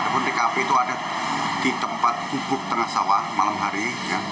ada pun tkp itu ada di tempat kubuk tengah sawah malam hari